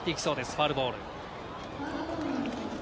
ファウルボール。